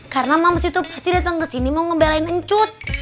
karena mams itu pasti datang ke sini mau ngebelain encut